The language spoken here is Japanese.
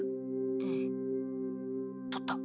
「うん取った」